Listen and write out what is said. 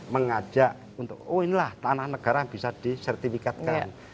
mengajak untuk oh inilah tanah negara bisa disertifikatkan